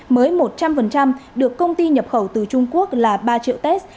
mới một trăm linh được công ty nhập khẩu từ trung quốc là ba triệu test